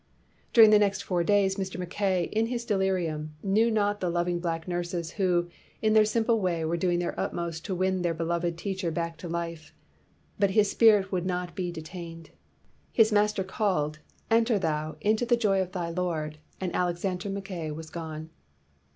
During the next four days Mr. Mackay, in his delirium, knew not the loving black nurses who, in their simple way were doing their utmost to win their beloved teacher back to life ; but his spirit would not be de tained. His Master called, " Enter thou into the joy of thy Lord," and Alexander Mackay was gone.